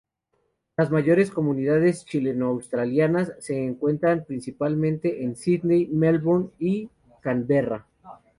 Las mayores comunidades chileno-australianas se encuentran principalmente en Sídney, Melbourne y Canberra.